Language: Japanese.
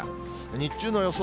日中の予想